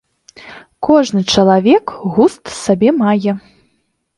Кожны чалавек густ сабе мае.